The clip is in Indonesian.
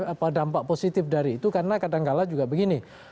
apa dampak positif dari itu karena kadangkala juga begini